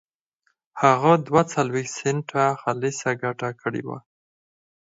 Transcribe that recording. هغه دوه څلوېښت سنټه خالصه ګټه کړې وه